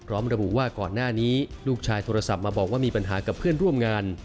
ระบุว่าก่อนหน้านี้ลูกชายโทรศัพท์มาบอกว่ามีปัญหากับเพื่อนร่วมงาน